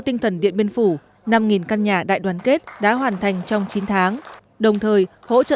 tinh thần điện biên phủ năm căn nhà đại đoàn kết đã hoàn thành trong chín tháng đồng thời hỗ trợ